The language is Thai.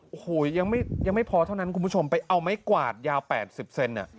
โอ้โหยังไม่ยังไม่พอเท่านั้นคุณผู้ชมไปเอาไม้กวาดยาว๘๐เซน